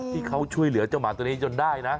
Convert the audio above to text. ที่เขาช่วยเหลือเจ้าหมาตัวนี้จนได้นะ